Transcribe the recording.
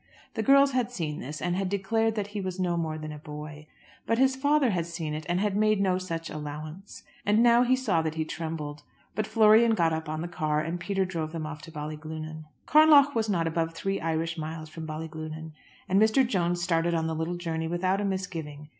The girls had seen this, and had declared that he was no more than a boy; but his father had seen it and had made no such allowance. And now he saw that he trembled. But Florian got up on the car, and Peter drove them off to Ballyglunin. Carnlough was not above three Irish miles from Ballyglunin; and Mr. Jones started on the little journey without a misgiving.